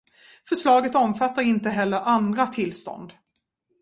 Förslaget omfattar inte heller andra tillstånd.